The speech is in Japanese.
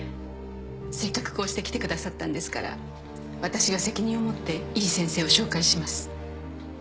せっかくこうして来てくださったんですから私が責任を持っていい先生を紹介します